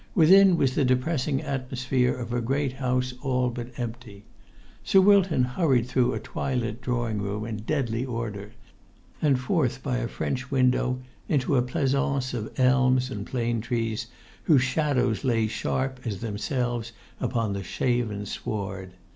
Within was the depressing atmosphere of a great house all but empty. Sir Wilton hurried through a twilit drawing room in deadly order, and forth by a French window into a pleasaunce of elms and plane trees whose shadows lay sharp as themselves upon the shaven sward.